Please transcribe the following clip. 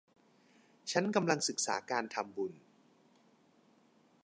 ฉันกำลังศึกษาการทำบุญ